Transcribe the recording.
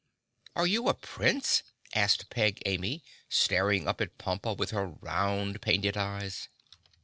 "Are you a Prince?" asked Peg Amy, staring up at Pompa with her round, painted eyes.